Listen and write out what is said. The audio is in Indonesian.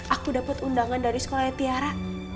aku dapat undangan dari sekolah tiara